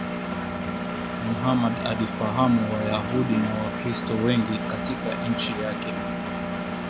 Muhammad alifahamu Wayahudi na Wakristo wengi katika nchi yake